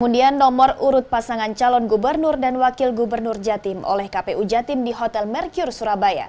nomor urut pasangan calon gubernur dan wakil gubernur jatim oleh kpu jatim di hotel merkur surabaya